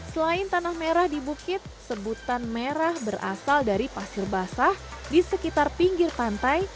selain tanah merah di bukit sebutan merah berasal dari pasir basah di sekitar pinggir pantai